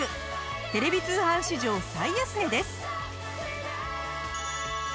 テレビ通販史上最安値です。